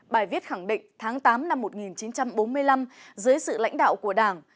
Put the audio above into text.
bài viết khẳng định tháng tám năm một nghìn chín trăm bốn mươi năm dưới sự lãnh đạo của đảng